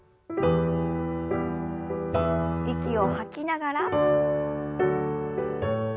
息を吐きながら。